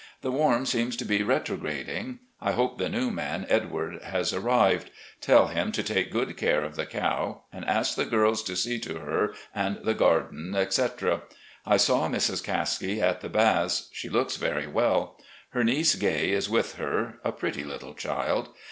The Warm seems to be retrograding. I hope the new man, Edward, has arrived. Tell him to take good care of the cow, and ask the girls to see to her and the garden, etc. I saw Mrs. Caskie at the Baths. She looks very well. Her niece. Gay, is with her, a pretty little child.